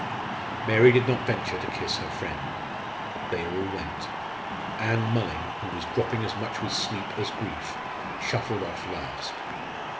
Mary did not venture to kiss her friend. They all went. Ann Mulling, who was dropping as much with sleep as grief, shuffled off last.